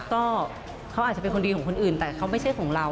ก็เขาอาจจะเป็นคนดีของคนอื่นแต่เขาไม่ใช่ของเรา